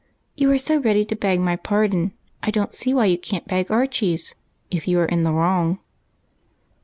You are so ready to beg my j^ardon I don't see why you can't beg Archie's, if you are in the wrong."